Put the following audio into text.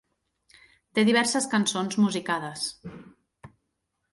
Té diverses cançons musicades.